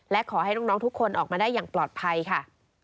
และขอให้น้องทุกคนออกมาได้อย่างปลอดภัยค่ะ